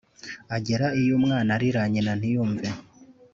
agera iyo umwana arira nyina ntiyumve